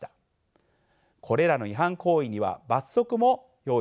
これらの違反行為には罰則も用意されています。